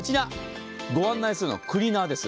ご案内するのはクリーナーです。